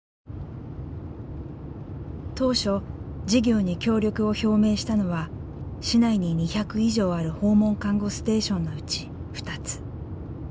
当初事業に協力を表明したのは市内に２００以上ある訪問看護ステーションのうち２つ。